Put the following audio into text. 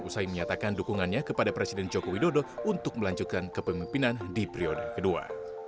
usai menyatakan dukungannya kepada presiden joko widodo untuk melanjutkan kepemimpinan di periode kedua